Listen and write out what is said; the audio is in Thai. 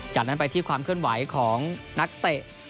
จากนั้นไปที่ความเคลื่อนไหวของนักเตะ